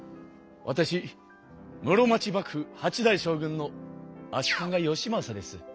わたし室町幕府８代将軍の足利義政です。